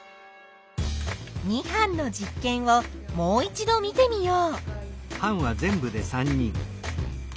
２班の実験をもう一度見てみよう。